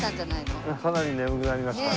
かなり眠くなりました。